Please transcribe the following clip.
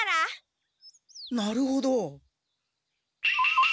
なるほど。